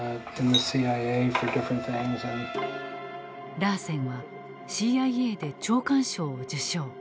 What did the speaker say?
ラーセンはＣＩＡで長官賞を受賞。